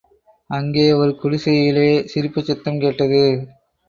அங்கே ஒரு குடிசையிலே சிரிப்புச் சத்தம் கேட்டது.